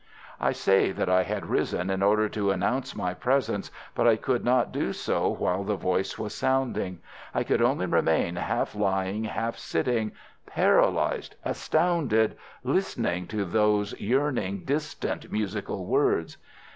I say that I had risen in order to announce my presence, but I could not do so while the voice was sounding. I could only remain half lying, half sitting, paralyzed, astounded, listening to those yearning distant musical words.